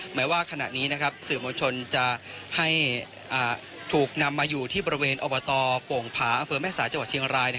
แม้ว่าขณะนี้สื่อมวลชนจะให้ถูกนำมาอยู่ที่บริเวณอบตโป่งผาอำเภอแม่สายจังหวัดเชียงราย